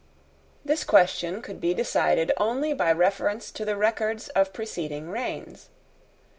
This question could be decided only by reference to the records of preceding reigns.